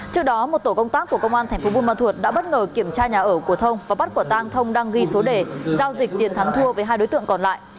trước đó một tổ công tác của công an tp buôn ma thuột đã bất ngờ kiểm tra nhà ở của thông và bắt quả tang thông đang ghi số đề giao dịch tiền thắng thua với hai đối tượng còn lại